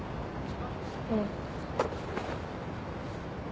うん。